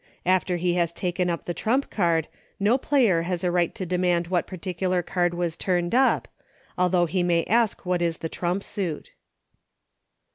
After he has taken up the trump card no player has a right to demand what particular card was turned up, although he may ask what is the trump suit.